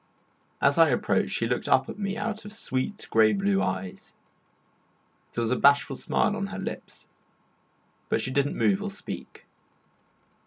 As I approached, she looked up to me out of sweet, grey blue eyes; there was a bashful smile on her lips, but she did not move or speak.